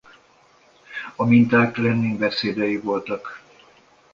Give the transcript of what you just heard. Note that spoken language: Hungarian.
A minták Lenin beszédei voltak.